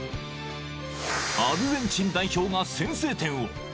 ［アルゼンチン代表が先制点を］